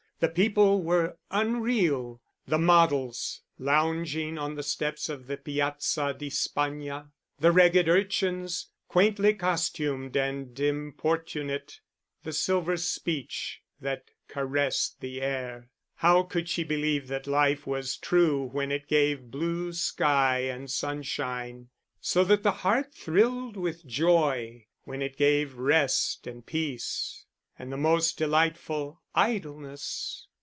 The people were unreal, the models lounging on the steps of the Piazza di Spagna, the ragged urchins, quaintly costumed and importunate, the silver speech that caressed the air. How could she believe that life was true when it gave blue sky and sunshine, so that the heart thrilled with joy; when it gave rest, and peace, and the most delightful idleness?